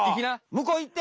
むこう行って！